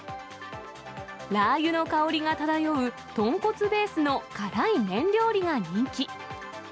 ラー油の香りが漂う豚骨ベースの辛い麺料理が人気。